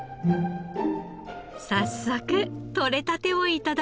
早速取れたてを頂きます！